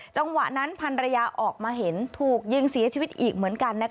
จังหวะนั้นพันรยาออกมาเห็นถูกยิงเสียชีวิตอีกเหมือนกัน